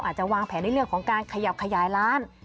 อาจจะวางแผนในเรื่องของการขยับขยายร้าน